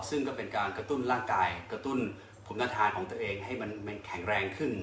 ซึ่งก็เป็นการกระตุ้นร่างกายกระตุ้นผมนาธานของตัวเองให้มันแข็งแรงขึ้น